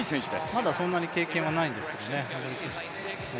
まだそんなに経験はないんですけど、いい選手ですね。